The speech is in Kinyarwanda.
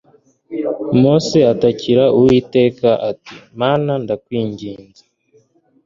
mose atakira uwiteka ati mana ndakwingize